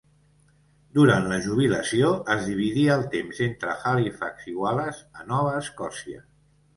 Durant la jubilació es dividia el temps entre Halifax i Wallace, a Nova Escòcia.